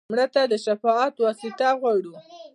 مړه ته د شفاعت واسطه غواړو